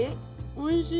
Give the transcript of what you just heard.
おいしい？